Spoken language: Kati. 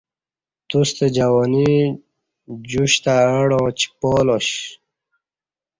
توستہ جوانی جوش تہ اہ ڈاں چپالا ش